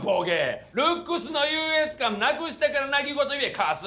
ルックスの優越感なくしてから泣き言言えカス！